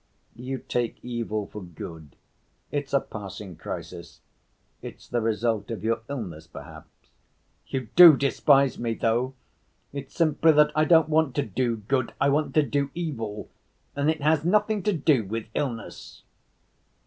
"You take evil for good; it's a passing crisis, it's the result of your illness, perhaps." "You do despise me, though! It's simply that I don't want to do good, I want to do evil, and it has nothing to do with illness."